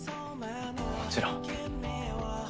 もちろん。